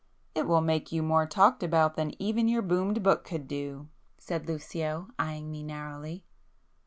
"It will make you more talked about than even your 'boomed' book could do!" said Lucio, eyeing me narrowly.